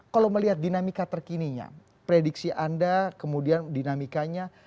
kalau melihat dinamika terkininya prediksi anda kemudian dinamikanya